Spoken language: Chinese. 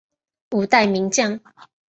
五代名将。